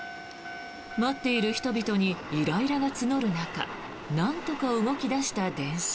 待っている人々にイライラが募る中なんとか動き出した電車。